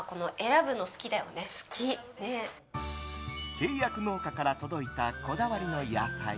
契約農家から届いたこだわりの野菜。